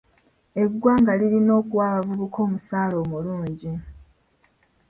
Eggwanga lirina okuwa abavubuka omusaala omulungi.